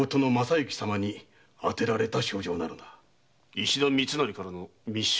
石田三成からの密書！？